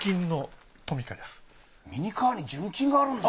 ミニカーに純金があるんだ。